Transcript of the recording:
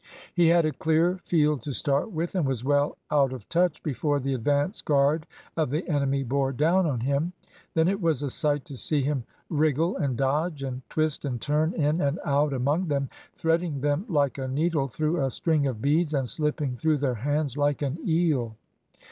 He had a clear field to start with, and was well out of touch before the advance guard of the enemy bore down on him. Then it was a sight to see him wriggle and dodge, and twist and turn in and out among them, threading them like a needle through a string of beads, and slipping through their hands like an eel.